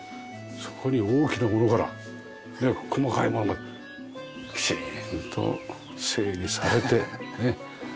そこに大きなものから細かいものまできちんと整理されてねっ。